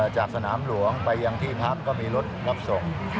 จากสนามหลวงไปยังที่พักก็มีรถรับส่ง